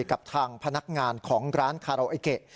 กับทางพนักงานของร้านคาราโอเกะ